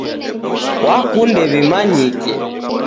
W'akunde w'imanyike